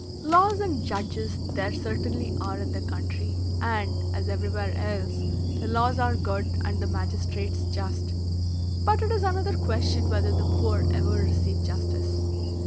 Laws and judges there certainly are in the country, and, as everywhere else, the laws are good and the magistrates just; but it is another question whether the poor ever receive justice.